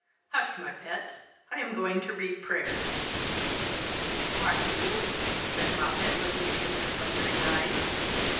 " Hush, my pet, I am going to read prayers." " Ave you ?" said Moppet, looking at him with wonder ing eyes.